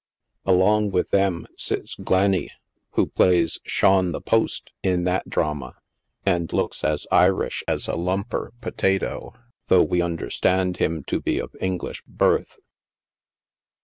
Along with them sits Glenny, who plays Shaun the Post in that drama, and looks as Irish as a " lum per" potato, though we understand him to be of English birth.